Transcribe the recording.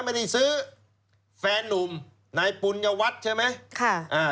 ไม่ได้ซื้อแฟนนุ่มนายปุญวัตรใช่ไหม